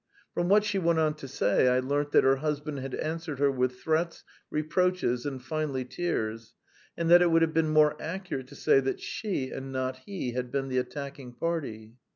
From what she went on to say I learnt that her husband had answered her with threats, reproaches, and finally tears, and that it would have been more accurate to say that she, and not he, had been the attacking party.